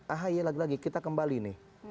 ahy lagi lagi kita kembali nih